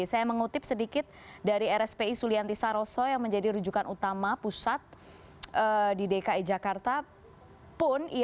saya mengutip sedikit dari rspi sulianti saroso yang menjadi rujukan utama pusat di dki jakarta pun